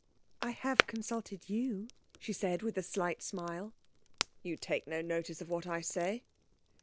'I have consulted you,' she said, with a slight smile. 'You take no notice of what I say.'